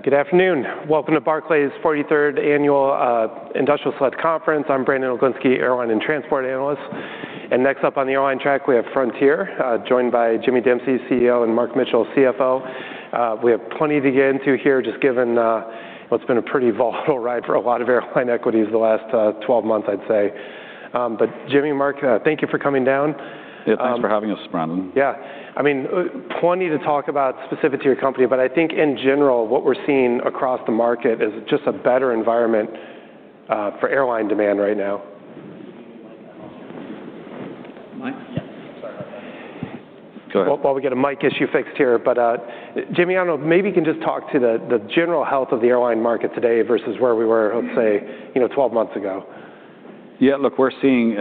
Good afternoon. Welcome to Barclays 43rd Annual Industrial Select Conference. I'm Brandon Oglenski, Airline and Transport Analyst. Next up on the airline track, we have Frontier, joined by Jimmy Dempsey, CEO, and Mark Mitchell, CFO. We have plenty to get into here, just given, well, it's been a pretty volatile ride for a lot of airline equities the last 12 months, I'd say. But Jimmy, Mark, thank you for coming down. Yeah, thanks for having us, Brandon. Yeah. I mean, plenty to talk about specific to your company, but I think in general, what we're seeing across the market is just a better environment for airline demand right now. Mic? Yeah. Sorry about that. Go ahead. While we get a mic issue fixed here, but Jimmy, I don't know, maybe you can just talk to the general health of the airline market today versus where we were, let's say, you know, 12 months ago. Yeah, look, we're seeing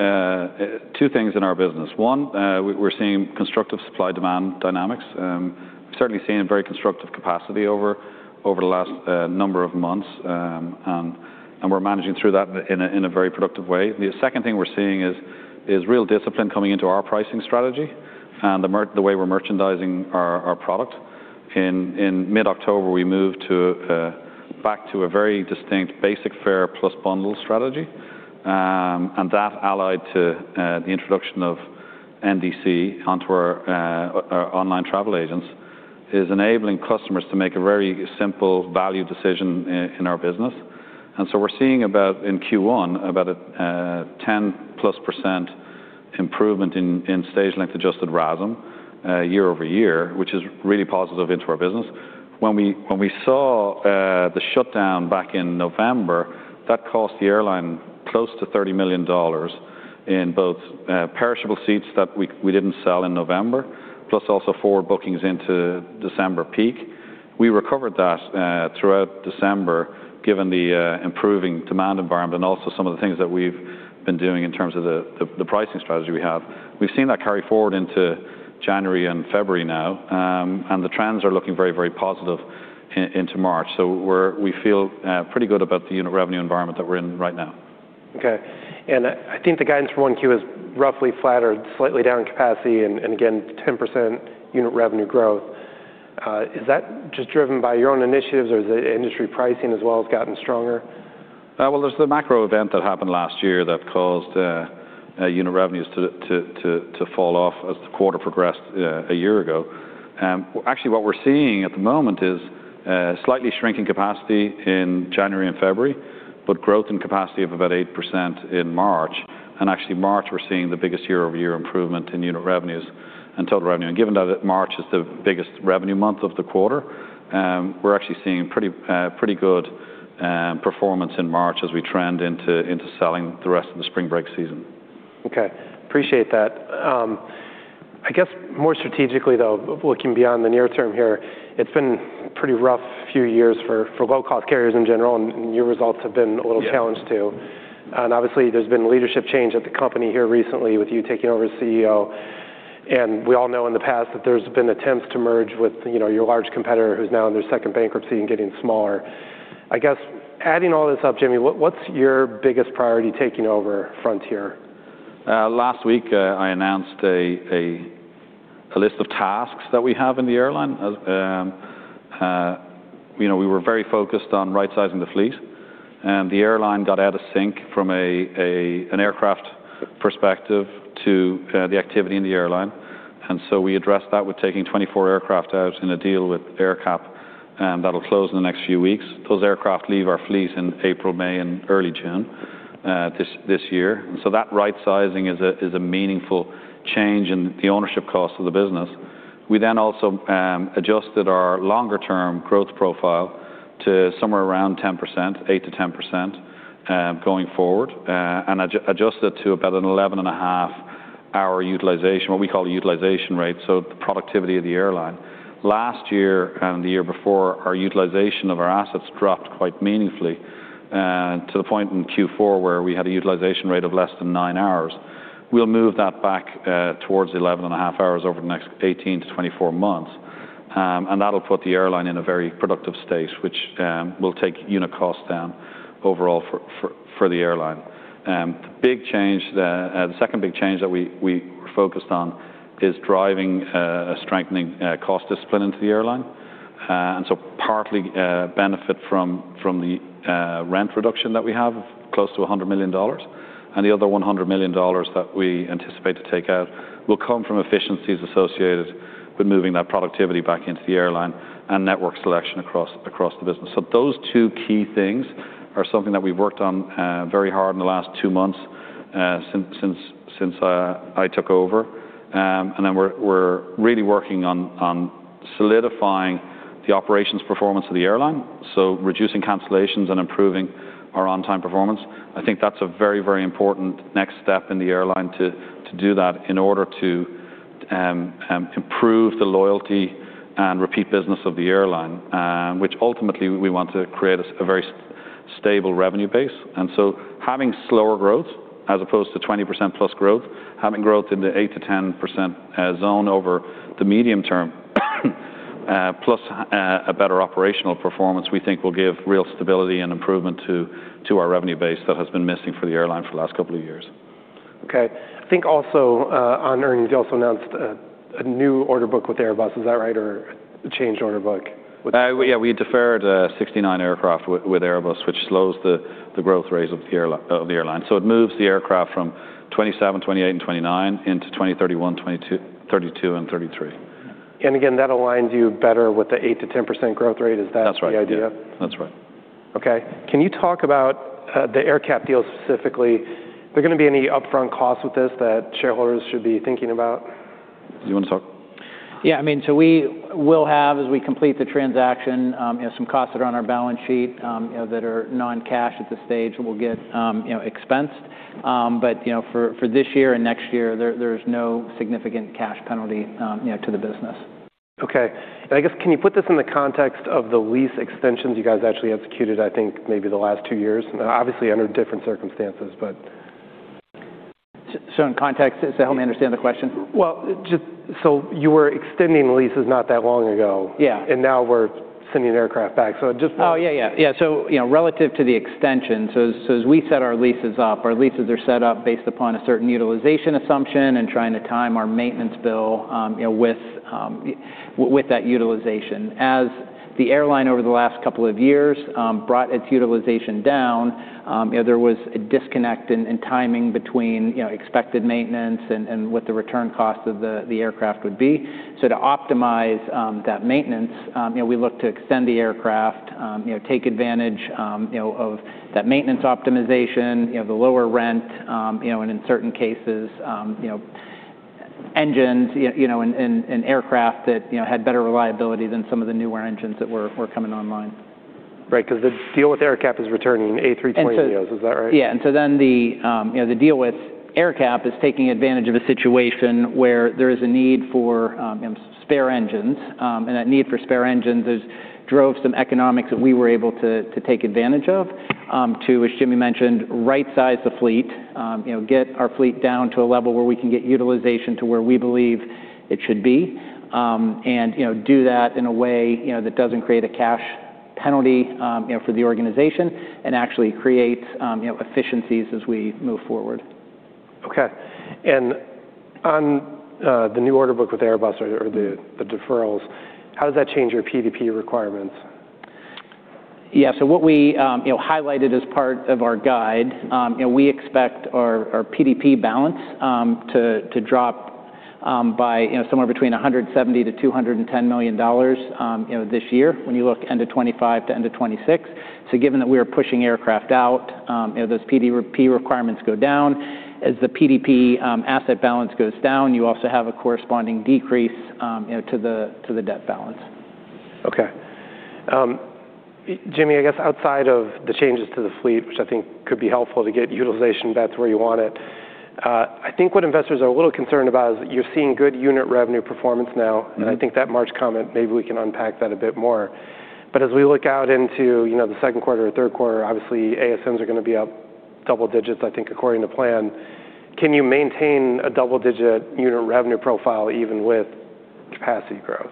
two things in our business. One, we're seeing constructive supply-demand dynamics. We've certainly seen a very constructive capacity over the last number of months, and we're managing through that in a very productive way. The second thing we're seeing is real discipline coming into our pricing strategy and the way we're merchandising our product. In mid-October, we moved back to a very distinct basic fare plus bundle strategy. And that allied to the introduction of NDC onto our online travel agents is enabling customers to make a very simple value decision in our business. We're seeing about, in Q1, about a +10% improvement in stage length adjusted RASM year-over-year, which is really positive into our business. When we saw the shutdown back in November, that cost the airline close to $30 million in both perishable seats that we didn't sell in November, plus also forward bookings into December peak. We recovered that throughout December, given the improving demand environment, and also some of the things that we've been doing in terms of the pricing strategy we have. We've seen that carry forward into January and February now, and the trends are looking very, very positive into March. We feel pretty good about the unit revenue environment that we're in right now. Okay. I think the guidance for one quarter is roughly flat or slightly down capacity, and again, 10% unit revenue growth. Is that just driven by your own initiatives, or is the industry pricing as well has gotten stronger? Well, there's the macro event that happened last year that caused unit revenues to fall off as the quarter progressed a year ago. Actually, what we're seeing at the moment is slightly shrinking capacity in January and February, but growth in capacity of about 8% in March. And actually, March, we're seeing the biggest year-over-year improvement in unit revenues and total revenue. And given that March is the biggest revenue month of the quarter, we're actually seeing pretty pretty good performance in March as we trend into selling the rest of the spring break season. Okay, appreciate that. I guess more strategically, though, looking beyond the near term here, it's been pretty rough few years for low-cost carriers in general, and your results have been a little challenged, too. Yeah. And obviously, there's been leadership change at the company here recently with you taking over as CEO. And we all know in the past that there's been attempts to merge with, you know, your large competitor, who's now in their second bankruptcy and getting smaller. I guess, adding all this up, Jimmy, what, what's your biggest priority taking over Frontier? Last week, I announced a list of tasks that we have in the airline. You know, we were very focused on right-sizing the fleet, and the airline got out of sync from an aircraft perspective to the activity in the airline. And so we addressed that with taking 24 aircraft out in a deal with AerCap, and that'll close in the next few weeks. Those aircraft leave our fleet in April, May, and early June, this year. And so that right-sizing is a meaningful change in the ownership cost of the business. We then also adjusted our longer-term growth profile to somewhere around 10%, 8%-10% going forward, and adjusted to about a 11.5-hour utilization, what we call the utilization rate, so the productivity of the airline. Last year and the year before, our utilization of our assets dropped quite meaningfully to the point in Q4 where we had a utilization rate of less than nine hours. We'll move that back towards 11.5 hours over the next 18 months to 24 months. That'll put the airline in a very productive state, which will take unit costs down overall for the airline. The second big change that we focused on is driving a strengthening cost discipline into the airline. And so partly benefit from the rent reduction that we have, close to $100 million, and the other $100 million that we anticipate to take out will come from efficiencies associated with moving that productivity back into the airline and network selection across the business. So those two key things are something that we've worked on very hard in the last two months since I took over. And then we're really working on solidifying the operations performance of the airline, so reducing cancellations and improving our on-time performance. I think that's a very important next step in the airline to do that in order to improve the loyalty and repeat business of the airline, which ultimately we want to create a very stable revenue base. And so having slower growth, as opposed to+ 20% growth, having growth in the 8%-10% zone over the medium term, plus a better operational performance, we think will give real stability and improvement to our revenue base that has been missing for the airline for the last couple of years. Okay. I think also, on earnings, you also announced a new order book with Airbus. Is that right? Or a changed order book with- Yeah, we deferred 69 aircraft with Airbus, which slows the growth rates of the airline. So it moves the aircraft from 2027, 2028, and 2029 into 2031, 2032, and 2033. Again, that aligns you better with the 8%-10% growth rate. Is that the idea? That's right. Yeah. That's right. Okay. Can you talk about, the AerCap deal specifically? Are there going to be any upfront costs with this that shareholders should be thinking about? Do you want to talk? Yeah, I mean, so we will have, as we complete the transaction, you know, some costs that are on our balance sheet, you know, that are non-cash at this stage, will get, you know, expensed. But, you know, for this year and next year, there's no significant cash penalty, you know, to the business. Okay. And I guess, can you put this in the context of the lease extensions you guys actually executed, I think, maybe the last two years? Obviously, under different circumstances, but... So in context, help me understand the question. Well, just so you were extending leases not that long ago. Yeah. Now we're sending aircraft back. So just- Oh, yeah, yeah. Yeah, so, you know, relative to the extension, so as we set our leases up, our leases are set up based upon a certain utilization assumption and trying to time our maintenance bill, you know, with that utilization. As the airline over the last couple of years, you know, there was a disconnect in timing between expected maintenance and what the return cost of the aircraft would be. So to optimize that maintenance, you know, we look to extend the aircraft, you know, take advantage, you know, of that maintenance optimization, you know, the lower rent, you know, and in certain cases, you know, engines, you know, and aircraft that, you know, had better reliability than some of the newer engines that were coming online. Right, because the deal with AerCap is returning A320s. And so- Is that right? Yeah, and so then the, you know, the deal with AerCap is taking advantage of a situation where there is a need for, spare engines, and that need for spare engines drove some economics that we were able to, to take advantage of, to, as Jimmy mentioned, rightsize the fleet, you know, get our fleet down to a level where we can get utilization to where we believe it should be. And, you know, do that in a way, you know, that doesn't create a cash penalty, you know, for the organization, and actually creates, you know, efficiencies as we move forward. Okay. And on the new order book with Airbus or the deferrals, how does that change your PDP requirements? Yeah, so what we, you know, highlighted as part of our guide, you know, we expect our PDP balance to drop by, you know, somewhere between $170 million-$210 million this year, when you look end of 2025 to end of 2026. So given that we are pushing aircraft out, you know, those PDP requirements go down. As the PDP asset balance goes down, you also have a corresponding decrease, you know, to the debt balance. Okay. Jimmy, I guess outside of the changes to the fleet, which I think could be helpful to get utilization back to where you want it, I think what investors are a little concerned about is that you're seeing good unit revenue performance now. Mm-hmm. I think that March comment, maybe we can unpack that a bit more. As we look out into, you know, the second quarter or third quarter, obviously, ASMs are going to be up double digits, I think, according to plan. Can you maintain a double-digit unit revenue profile even with capacity growth?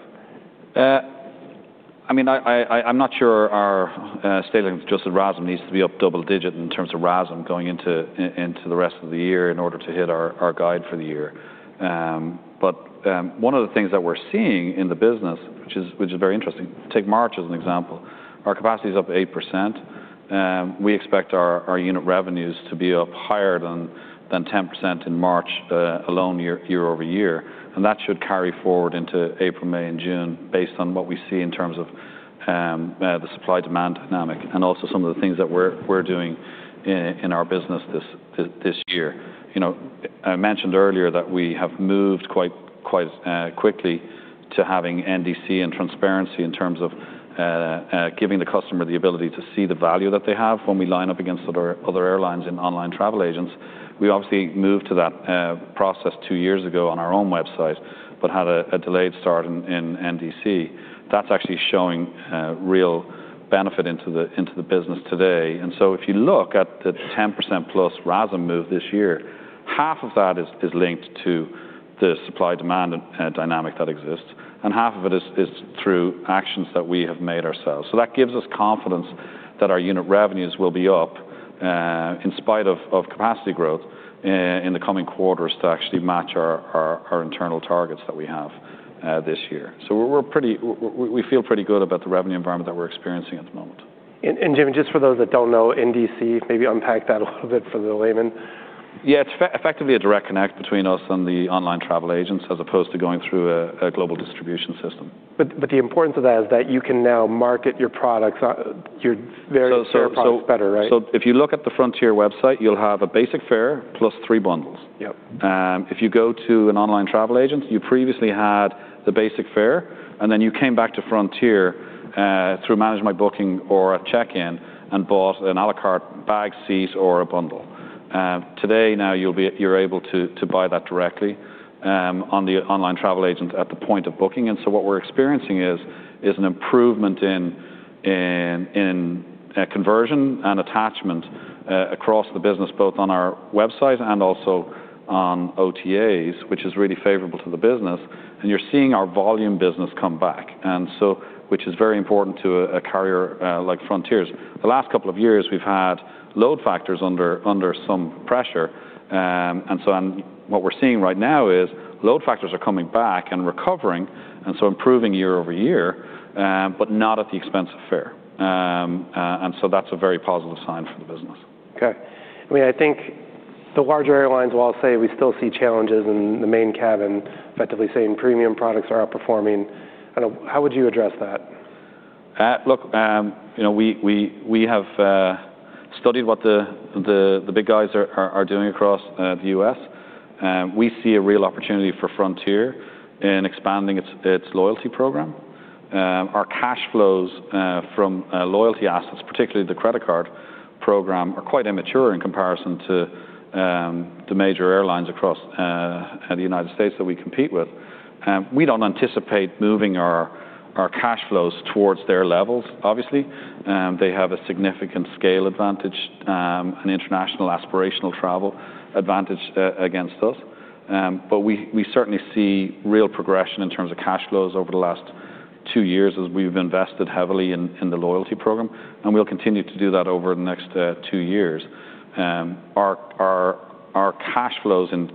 I mean, I'm not sure our statement just as RASM needs to be up double digit in terms of RASM going into into the rest of the year in order to hit our our guide for the year. But one of the things that we're seeing in the business, which is very interesting, take March as an example. Our capacity is up 8%, and we expect our our unit revenues to be up higher than than 10% in March alone year-over-year, and that should carry forward into April, May, and June, based on what we see in terms of the supply-demand dynamic, and also some of the things that we're we're doing in in our business this this year. You know, I mentioned earlier that we have moved quite, quite, quickly to having NDC and transparency in terms of, giving the customer the ability to see the value that they have when we line up against other, other airlines and online travel agents. We obviously moved to that process two years ago on our own website, but had a delayed start in NDC. That's actually showing real benefit into the business today. And so if you look at the 10% plus RASM move this year, half of that is linked to the supply-demand dynamic that exists, and half of it is through actions that we have made ourselves. So that gives us confidence that our unit revenues will be up in spite of capacity growth in the coming quarters to actually match our internal targets that we have this year. So we're pretty we feel pretty good about the revenue environment that we're experiencing at the moment. Jimmy, just for those that don't know, NDC, maybe unpack that a little bit for the layman. Yeah, it's effectively a direct connect between us and the online travel agents, as opposed to going through a global distribution system. But the importance of that is that you can now market your products, your various products better, right? So, if you look at the Frontier website, you'll have a basic fare plus three bundles. Yep. If you go to an online travel agent, you previously had the basic fare, and then you came back to Frontier through Manage My Booking or a check-in and bought an à la carte bag, seats, or a bundle. Today, now you're able to buy that directly on the online travel agent at the point of booking. And so what we're experiencing is an improvement in conversion and attachment across the business, both on our website and also on OTAs, which is really favorable to the business. And you're seeing our volume business come back, and so which is very important to a carrier like Frontier. The last couple of years, we've had load factors under some pressure. So what we're seeing right now is load factors are coming back and recovering, and so improving year over year, but not at the expense of fare. So that's a very positive sign for the business. Okay. I mean, I think the larger airlines will all say we still see challenges in the main cabin, effectively saying premium products are outperforming. I don't, how would you address that? Look, you know, we have studied what the big guys are doing across the U.S., and we see a real opportunity for Frontier in expanding its loyalty program. Our cash flows from loyalty assets, particularly the credit card program, are quite immature in comparison to the major airlines across the United States that we compete with. We don't anticipate moving our cash flows towards their levels, obviously. They have a significant scale advantage, an international aspirational travel advantage against us. But we certainly see real progression in terms of cash flows over the last two years as we've invested heavily in the loyalty program, and we'll continue to do that over the next two years. Our cash flows in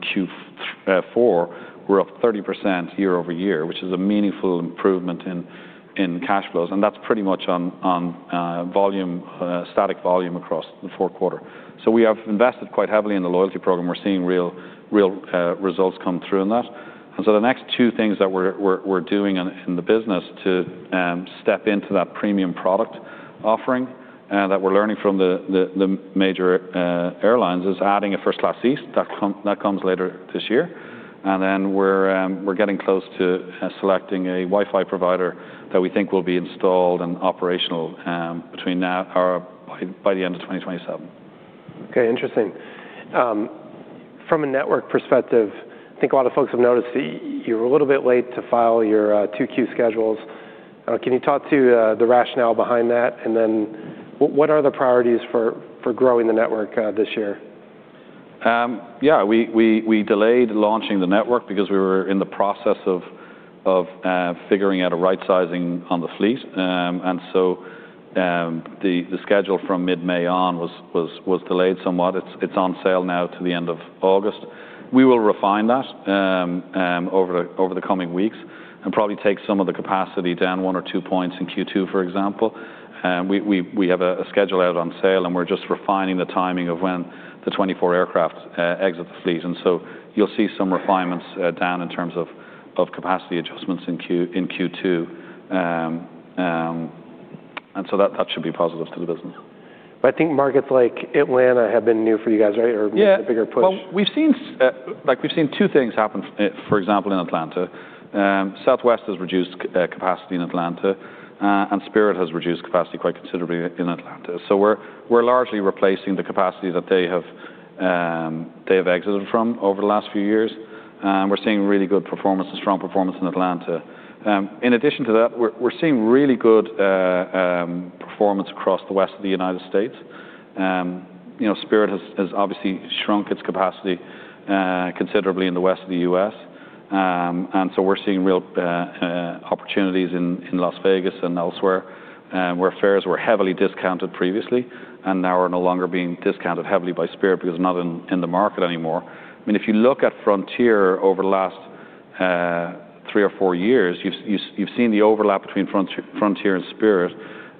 Q4 were up 30% year-over-year, which is a meaningful improvement in cash flows, and that's pretty much on static volume across the fourth quarter. So we have invested quite heavily in the loyalty program. We're seeing real results come through in that. And so the next two things that we're doing in the business to step into that premium product offering that we're learning from the major airlines is adding a first class seat. That comes later this year. And then we're getting close to selecting a Wi-Fi provider that we think will be installed and operational between now or by the end of 2027. Okay, interesting. From a network perspective, I think a lot of folks have noticed that you're a little bit late to file your 2Q schedules. Can you talk to the rationale behind that? And then what are the priorities for growing the network this year? Yeah, we delayed launching the network because we were in the process of figuring out a right sizing on the fleet. And so, the schedule from mid-May on was delayed somewhat. It's on sale now to the end of August. We will refine that over the coming weeks and probably take some of the capacity down one or two points in Q2, for example. We have a schedule out on sale, and we're just refining the timing of when the 24 aircraft exit the fleet. And so you'll see some refinements down in terms of capacity adjustments in Q2. And so that should be positive to the business. But I think markets like Atlanta have been new for you guys, right? Or maybe a bigger push. Yeah. Well, we've seen, like, we've seen two things happen, for example, in Atlanta. Southwest has reduced capacity in Atlanta, and Spirit has reduced capacity quite considerably in Atlanta. So we're largely replacing the capacity that they have, they have exited from over the last few years. We're seeing really good performance and strong performance in Atlanta. In addition to that, we're seeing really good performance across the west of the United States. You know, Spirit has obviously shrunk its capacity considerably in the west of the US. And so we're seeing real opportunities in Las Vegas and elsewhere, where fares were heavily discounted previously and now are no longer being discounted heavily by Spirit because it's not in the market anymore. I mean, if you look at Frontier over the last three or four years, you've seen the overlap between Frontier and Spirit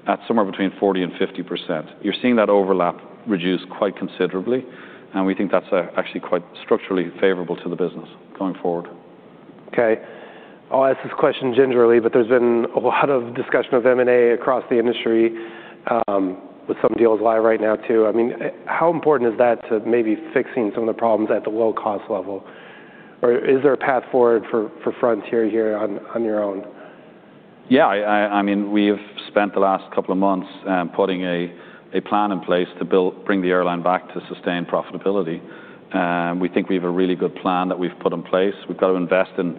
at somewhere between 40% and 50%. You're seeing that overlap reduce quite considerably, and we think that's actually quite structurally favorable to the business going forward. Okay. I'll ask this question gingerly, but there's been a lot of discussion of M&A across the industry, with some deals live right now too. I mean, how important is that to maybe fixing some of the problems at the low-cost level? Or is there a path forward for Frontier here on your own? Yeah, I mean, we have spent the last couple of months putting a plan in place to bring the airline back to sustained profitability. And we think we have a really good plan that we've put in place. We've got to invest in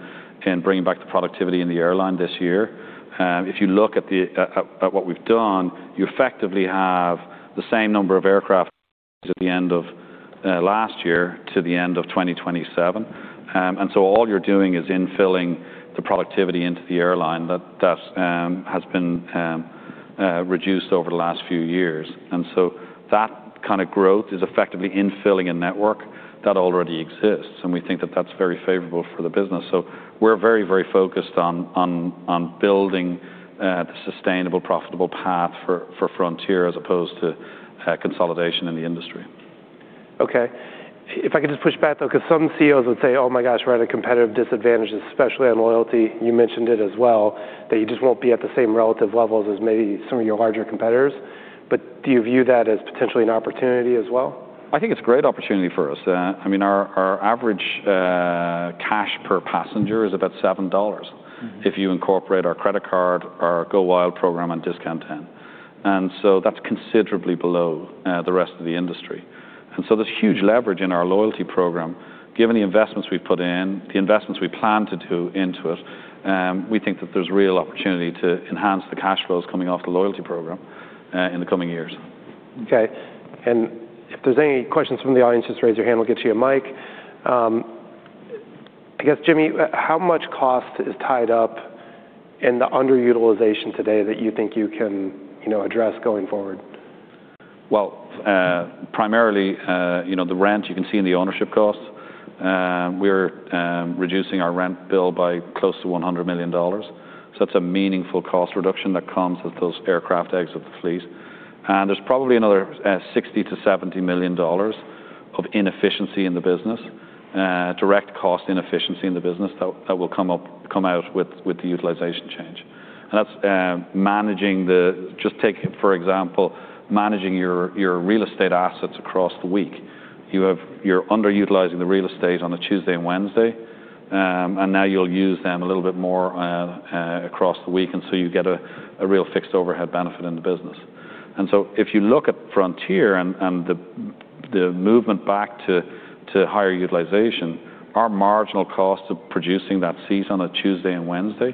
bringing back the productivity in the airline this year. If you look at what we've done, you effectively have the same number of aircraft at the end of last year to the end of 2027. And so all you're doing is infilling the productivity into the airline that has been reduced over the last few years. And so that kind of growth is effectively infilling a network that already exists, and we think that that's very favorable for the business. So we're very, very focused on building the sustainable, profitable path for Frontier as opposed to consolidation in the industry. Okay. If I could just push back, though, because some CEOs would say, "Oh my gosh, we're at a competitive disadvantage, especially on loyalty." You mentioned it as well, that you just won't be at the same relative levels as maybe some of your larger competitors. But do you view that as potentially an opportunity as well? I think it's a great opportunity for us. I mean, our average cash per passenger is about $7- Mm-hmm if you incorporate our credit card, our GoWild program, and Discount Den. And so that's considerably below the rest of the industry. And so there's huge leverage in our loyalty program. Given the investments we've put in, the investments we plan to do into it, we think that there's real opportunity to enhance the cash flows coming off the loyalty program in the coming years. Okay, and if there's any questions from the audience, just raise your hand, we'll get you a mic. I guess, Jimmy, how much cost is tied up in the underutilization today that you think you can, you know, address going forward? Well, primarily, you know, the rent, you can see in the ownership costs. We're reducing our rent bill by close to $100 million. So that's a meaningful cost reduction that comes with those aircraft exit the fleet. And there's probably another, $60 million-$70 million of inefficiency in the business, direct cost inefficiency in the business that will come out with the utilization change. And that's managing. Just take, for example, managing your real estate assets across the week. You're underutilizing the real estate on a Tuesday and Wednesday, and now you'll use them a little bit more, across the week, and so you get a real fixed overhead benefit in the business. And so if you look at Frontier and the movement back to higher utilization, our marginal cost of producing that seat on a Tuesday and Wednesday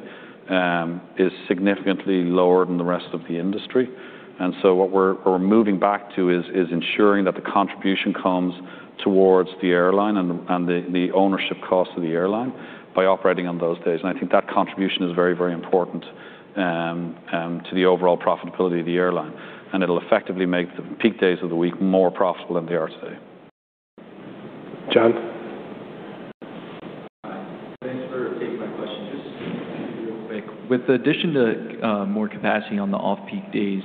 is significantly lower than the rest of the industry. And so what we're moving back to is ensuring that the contribution comes towards the airline and the ownership cost of the airline by operating on those days. And I think that contribution is very, very important to the overall profitability of the airline, and it'll effectively make the peak days of the week more profitable than they are today. John? Hi. Thanks for taking my question. Just real quick, with the addition to more capacity on the off-peak days,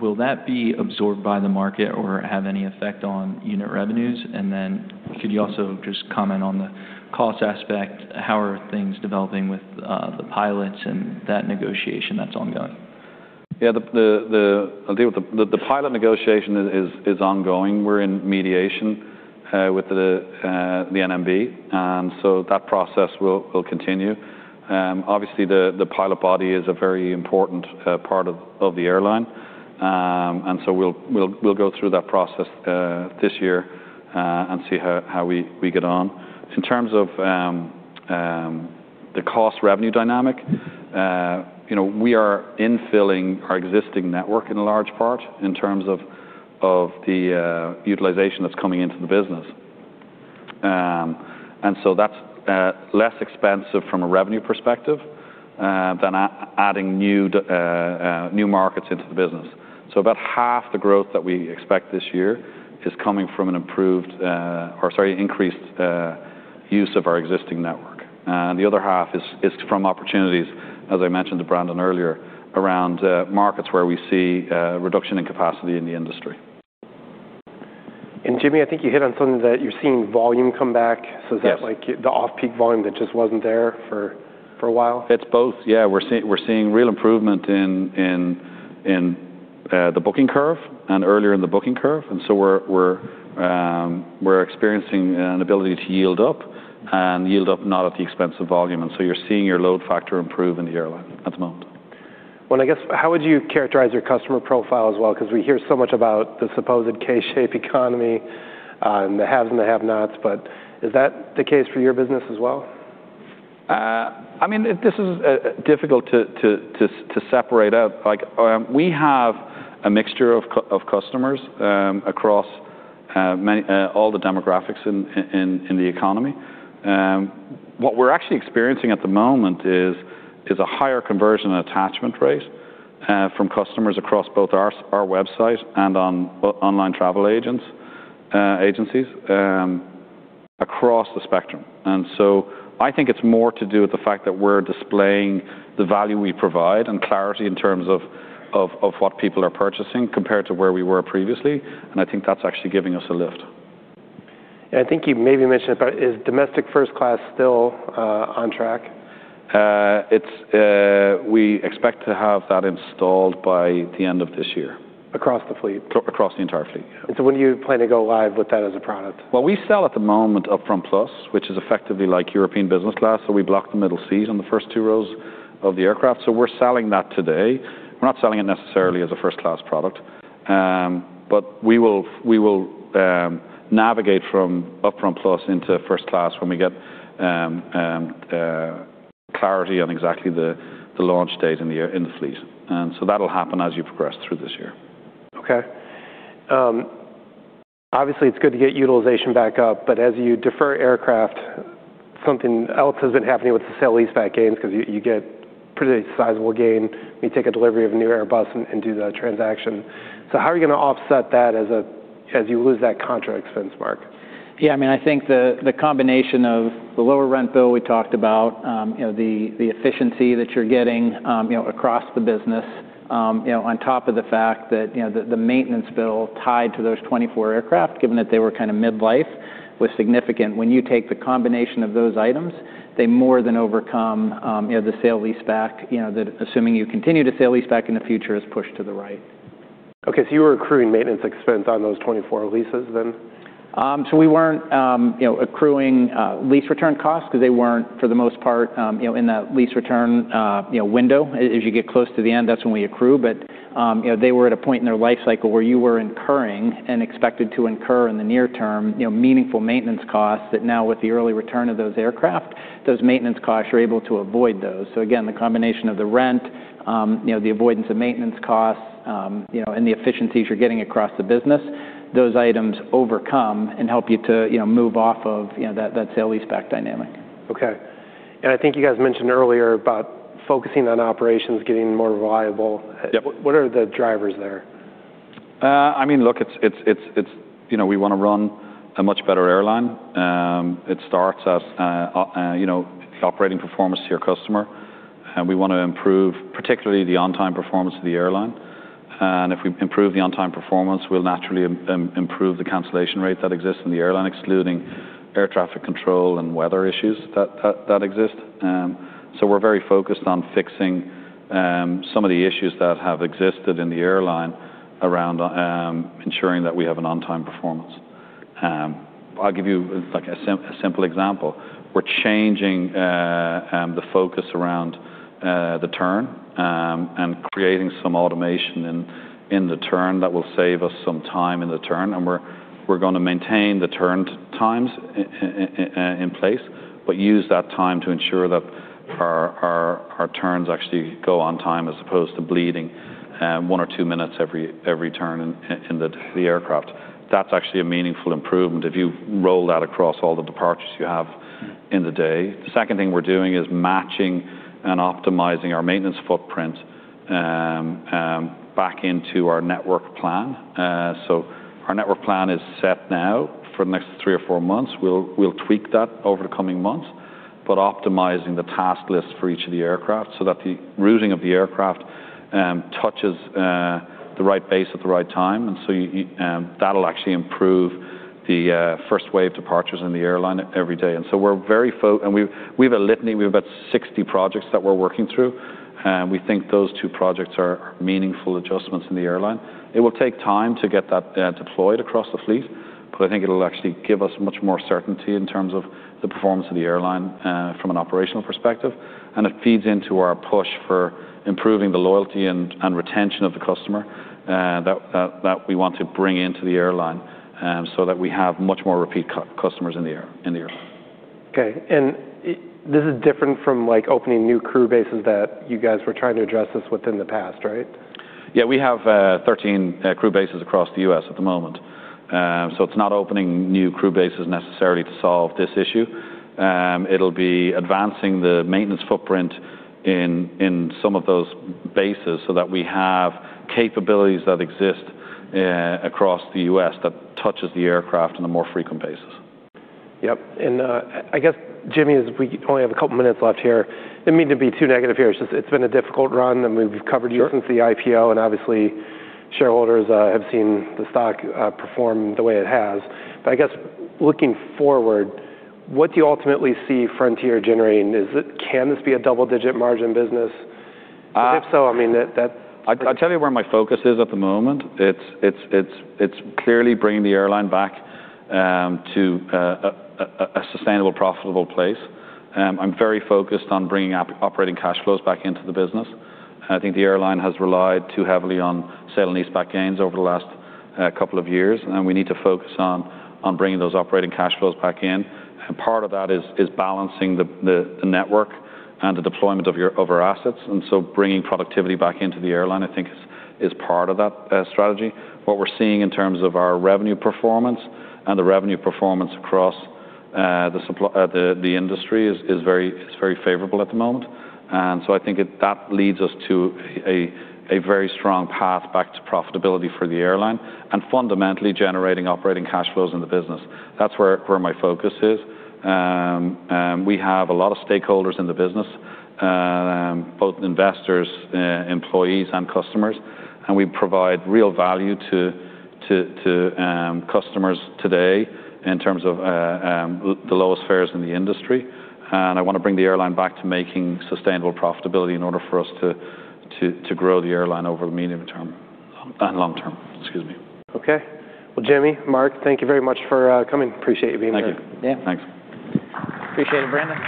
will that be absorbed by the market or have any effect on unit revenues? And then could you also just comment on the cost aspect? How are things developing with the pilots and that negotiation that's ongoing? Yeah, I'll deal with the pilot negotiation is ongoing. We're in mediation with the NMB, and so that process will continue. Obviously, the pilot body is a very important part of the airline. And so we'll go through that process this year and see how we get on. In terms of the cost revenue dynamic, you know, we are infilling our existing network in a large part in terms of the utilization that's coming into the business. And so that's less expensive from a revenue perspective than adding new markets into the business. So about half the growth that we expect this year is coming from an improved, or sorry, increased, use of our existing network. And the other half is from opportunities, as I mentioned to Brandon earlier, around markets where we see reduction in capacity in the industry. Jimmy, I think you hit on something, that you're seeing volume come back. Yes. Is that, like, the off-peak volume that just wasn't there for a while? It's both. Yeah, we're seeing real improvement in the booking curve and earlier in the booking curve, and so we're experiencing an ability to yield up and yield up not at the expense of volume. And so you're seeing your load factor improve in the airline at the moment. Well, I guess, how would you characterize your customer profile as well? Because we hear so much about the supposed K-shape economy, and the haves and the have-nots, but is that the case for your business as well? I mean, this is difficult to separate out. Like, we have a mixture of customers across all the demographics in the economy. What we're actually experiencing at the moment is a higher conversion and attachment rate from customers across both our website and online travel agencies across the spectrum. So I think it's more to do with the fact that we're displaying the value we provide and clarity in terms of what people are purchasing compared to where we were previously, and I think that's actually giving us a lift. I think you maybe mentioned it, but is domestic first class still on track? We expect to have that installed by the end of this year. Across the fleet? Across the entire fleet. When do you plan to go live with that as a product? Well, we sell at the moment UpFront Plus, which is effectively like European business class, so we block the middle seat on the first two rows of the aircraft. So we're selling that today. We're not selling it necessarily as a first-class product, but we will navigate from UpFront Plus into first class when we get clarity on exactly the launch date in the fleet. And so that'll happen as you progress through this year. Okay. Obviously, it's good to get utilization back up, but as you defer aircraft, something else has been happening with the sale-leaseback gains because you, you get pretty sizable gain when you take a delivery of a new Airbus and, and do the transaction. So how are you going to offset that as you lose that contra expense, Mark? Yeah, I mean, I think the combination of the lower rent bill we talked about, you know, the efficiency that you're getting, you know, across the business, you know, on top of the fact that, you know, the maintenance bill tied to those 24 aircraft, given that they were kind of mid-life, was significant. When you take the combination of those items, they more than overcome, you know, the sale leaseback, you know, assuming you continue to sale leaseback in the future, is pushed to the right. Okay, so you were accruing maintenance expense on those 24 leases then? So we weren't, you know, accruing lease return costs because they weren't, for the most part, you know, in that lease return, you know, window. As you get close to the end, that's when we accrue. But, you know, they were at a point in their life cycle where you were incurring and expected to incur in the near term, you know, meaningful maintenance costs that now with the early return of those aircraft, those maintenance costs, you're able to avoid those. So again, the combination of the rent, you know, the avoidance of maintenance costs, you know, and the efficiencies you're getting across the business, those items overcome and help you to, you know, move off of, you know, that, that sale leaseback dynamic. Okay. And I think you guys mentioned earlier about focusing on operations, getting more reliable. Yep. What are the drivers there? I mean, look, it's – you know, we want to run a much better airline. It starts at, you know, operating performance to your customer, and we want to improve, particularly the on-time performance of the airline. And if we improve the on-time performance, we'll naturally improve the cancellation rate that exists in the airline, excluding air traffic control and weather issues that exist. So we're very focused on fixing some of the issues that have existed in the airline around ensuring that we have an on-time performance. I'll give you, like, a simple example. We're changing the focus around the turn and creating some automation in the turn that will save us some time in the turn, and we're going to maintain the turn times in place, but use that time to ensure that our turns actually go on time, as opposed to bleeding one or two minutes every turn in the aircraft. That's actually a meaningful improvement if you roll that across all the departures you have in the day. The second thing we're doing is matching and optimizing our maintenance footprint back into our network plan. So our network plan is set now for the next three or four months. We'll, we'll tweak that over the coming months, but optimizing the task list for each of the aircraft so that the routing of the aircraft touches the right base at the right time, and so that'll actually improve the first wave departures in the airline every day. And so we're very and we've, we've a litany. We have about 60 projects that we're working through, and we think those two projects are meaningful adjustments in the airline. It will take time to get that deployed across the fleet, but I think it'll actually give us much more certainty in terms of the performance of the airline from an operational perspective, and it feeds into our push for improving the loyalty and retention of the customer that we want to bring into the airline, so that we have much more repeat customers in the airline. Okay, and this is different from, like, opening new crew bases that you guys were trying to address this within the past, right? Yeah, we have 13 crew bases across the U.S. at the moment. So it's not opening new crew bases necessarily to solve this issue. It'll be advancing the maintenance footprint in some of those bases so that we have capabilities that exist across the U.S. that touches the aircraft on a more frequent basis. Yep, and, I guess, Jimmy, as we only have a couple minutes left here, I didn't mean to be too negative here. It's just, it's been a difficult run, and we've covered- Sure you since the IPO, and obviously, shareholders, have seen the stock, perform the way it has. But I guess looking forward, what do you ultimately see Frontier generating? Is it? Can this be a double-digit margin business? Uh- If so, I mean, that, that- I'd tell you where my focus is at the moment. It's clearly bringing the airline back to a sustainable, profitable place. I'm very focused on bringing up operating cash flows back into the business. I think the airline has relied too heavily on sale and leaseback gains over the last couple of years, and we need to focus on bringing those operating cash flows back in. And part of that is balancing the network and the deployment of our assets, and so bringing productivity back into the airline, I think, is part of that strategy. What we're seeing in terms of our revenue performance and the revenue performance across the industry is very favorable at the moment. And so I think that leads us to a very strong path back to profitability for the airline and fundamentally generating operating cash flows in the business. That's where my focus is. And we have a lot of stakeholders in the business, both investors, employees, and customers, and we provide real value to customers today in terms of the lowest fares in the industry. And I want to bring the airline back to making sustainable profitability in order for us to grow the airline over the medium term and long term. Excuse me. Okay. Well, Jimmy, Mark, thank you very much for coming. Appreciate you being here. Thank you. Yeah. Thanks. Appreciate it, Brandon.